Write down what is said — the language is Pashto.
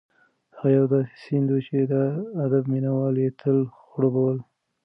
هغه یو داسې سیند و چې د ادب مینه وال یې تل خړوبول.